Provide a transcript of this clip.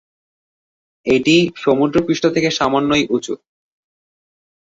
এটি সমুদ্র পৃষ্ঠ থেকে সামান্যই উচু।